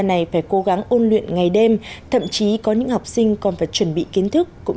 này phải cố gắng ôn luyện ngày đêm thậm chí có những học sinh còn phải chuẩn bị kiến thức cũng